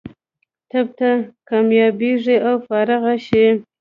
طب ته کامیابېږي او فارغه شي.